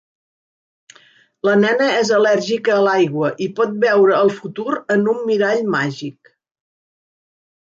La nena és al·lèrgica a l'aigua i pot veure el futur en un mirall màgic.